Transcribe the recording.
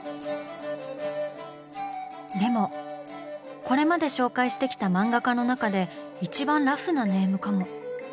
でもこれまで紹介してきた漫画家の中で一番ラフなネームかも。